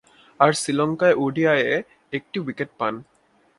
আর, শ্রীলঙ্কায় ওডিআইয়ে একটি উইকেট পান।